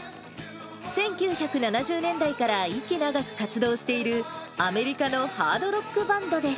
１９７０年代から息長く活動している、アメリカのハードロックバンドです。